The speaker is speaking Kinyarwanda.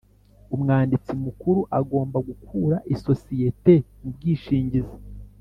Umwanditsi Mukuru agomba gukura isosiyete mu bwishingizi